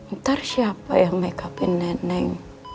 ntar siapa yang make upin neneng